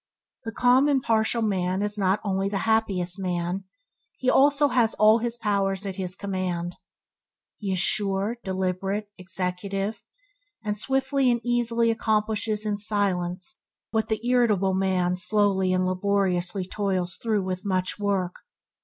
The calm, impartial man, is not only the happiest man, he also has all his powers at his command. He is sure, deliberate, executive, and swiftly and easily accomplishes in silence what the irritable men slowly and laboriously toils through with much nice.